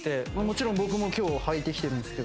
もちろん僕も今日はいてきてるんですけど。